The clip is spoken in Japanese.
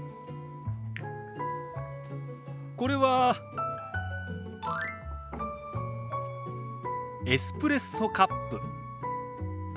これはエスプレッソカップ。